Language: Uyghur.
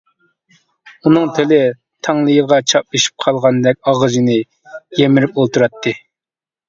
ئۇنىڭ تىلى تاڭلىيىغا چاپلىشىپ قالغاندەك ئاغزىنى يىمىرىپ ئولتۇراتتى.